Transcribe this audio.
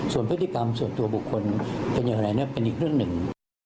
ส่วนพฤติกรรมส่วนตัวบุคคลเป็นอย่างไรเป็นอีกเรื่องหนึ่ง